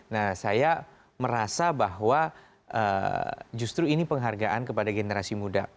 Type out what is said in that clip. nah saya merasa bahwa justru ini penghargaan kepada generasi muda